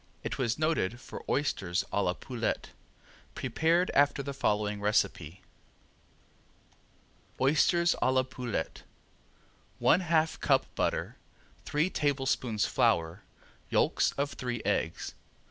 It was noted for oysters a la poulette, prepared after the following recipe: Oysters a La Poulette One half cup butter, three tablespoons flour, yolks of three eggs.